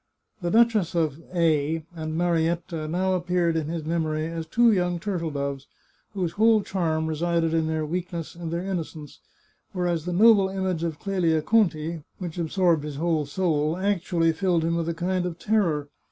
The duchess of A and Marietta now appeared in his memory as two young turtle doves, whose whole charm resided in their weakness and their innocence, whereas the noble image of Clelia Conti, which absorbed his whole soul, actually filled him with a kind of terror.